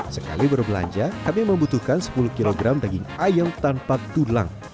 sekali berbelanja kami membutuhkan sepuluh kg daging ayam tanpa tulang